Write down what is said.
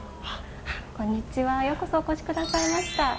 こんにちはようこそお越しくださいました。